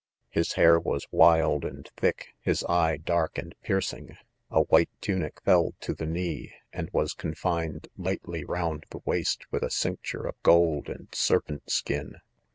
His 'Hair was wild and thick,, Ms eye"da?k an|d.pierciiig f ' A white tunic fell to the' knee, arid was confined lightly found the waist with a cinettife of gtilchdiiil serpent skin.